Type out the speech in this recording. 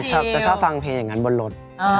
ชอบจะชอบฟังเพลงอย่างนั้นบนรถ